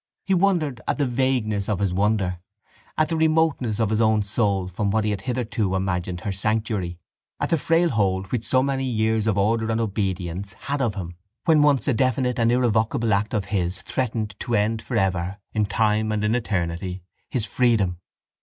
Then he wondered at the vagueness of his wonder, at the remoteness of his own soul from what he had hitherto imagined her sanctuary, at the frail hold which so many years of order and obedience had of him when once a definite and irrevocable act of his threatened to end for ever, in time and in eternity, his freedom.